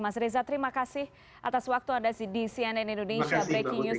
mas reza terima kasih atas waktu anda di cnn indonesia breaking news